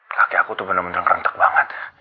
kaki aku tuh bener bener rentek banget